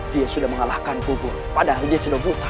dia sudah mengalahkan kubur padahal dia sudah berubah